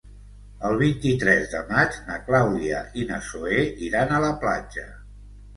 El vint-i-tres de maig na Clàudia i na Zoè iran a la platja.